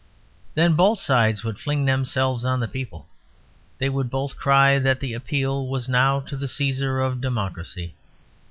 Then both sides would fling themselves on the people, they would both cry that the appeal was now to the Caesar of Democracy.